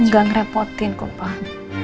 gak ngerepotin pak